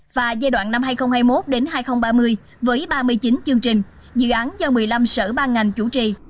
và giai đoạn năm hai nghìn hai mươi một hai nghìn ba mươi với ba mươi chín chương trình dự án do một mươi năm sở ban ngành chủ trì